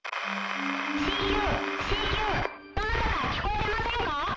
どなたか聞こえてませんか？」。